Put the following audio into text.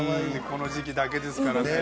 この時期だけですからね。